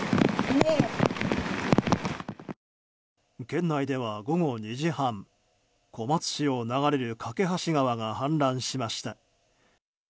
県内では午後２時半小松市を流れる梯川が氾濫しました。